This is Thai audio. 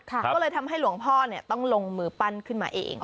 ก็เลยทำให้หลวงพ่อต้องลงมือปั้นขึ้นมาเอง